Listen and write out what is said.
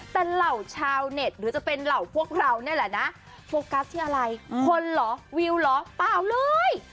แต่เหล่าชาวเน็ตหรือจะเป็นเหล่าพวกเรานี่แหละนะโฟกัสที่อะไรคนเหรอวิวเหรอเปล่าเลย